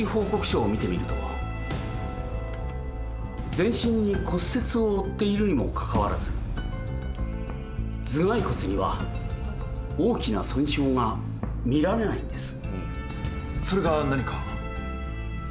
全身に骨折を負っているにもかかわらず頭蓋骨には大きな損傷が見られないんです。